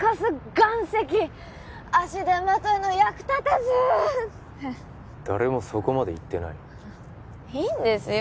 岩石足手まといの役立たずって誰もそこまで言ってないいいんですよ